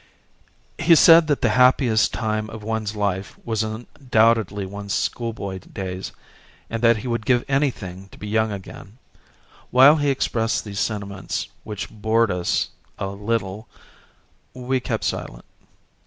He said that the happiest time of one's life was undoubtedly one's schoolboy days and that he would give anything to be young again. While he expressed these sentiments which bored us a little we kept silent.